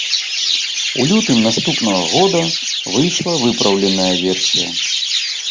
У лютым наступнага года выйшла выпраўленая версія.